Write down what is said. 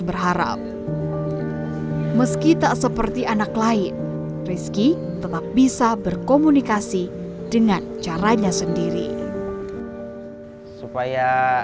berharap meski tak seperti anak lain rizky tetap bisa berkomunikasi dengan caranya sendiri supaya